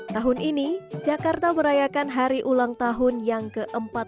tahun ini jakarta merayakan hari ulang tahun yang ke empat puluh lima